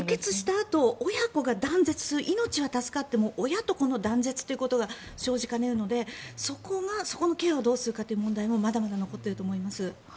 あと親子が断絶する命が助かっても親と子の断絶ということが生じかねるのでそこのケアをどうするかという問題もまだまだ残っていると思います。